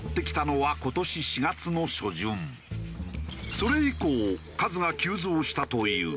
それ以降数が急増したという。